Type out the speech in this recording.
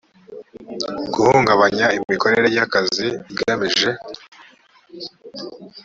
guhungabanya imikorere y akazi igamije